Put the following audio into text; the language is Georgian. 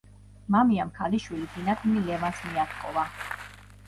მამიამ ქალიშვილი თინათინი ლევანს მიათხოვა.